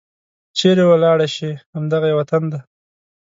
چيرې ولاړې شي؟ همد غه یې وطن دی